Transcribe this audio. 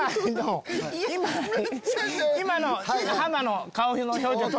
今のハマの顔の表情撮って。